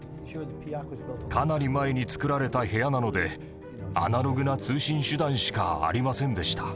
かなり前に造られた部屋なのでアナログな通信手段しかありませんでした。